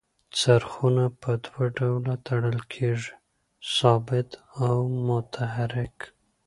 څرخونه په دوه ډوله تړل کیږي ثابت او متحرک.